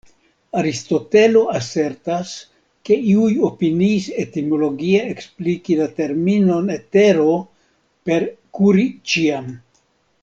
Aristotelo asertas ke iuj opiniis etimologie ekspliki la terminon “etero” per "kuri ĉiam”.